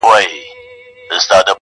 ښځه و نر دواړه انسانان دي